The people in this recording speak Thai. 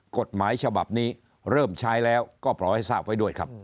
กฎหมายฉบับนี้เริ่มใช้แล้วก็ปล่อยให้ทราบไว้ด้วยครับ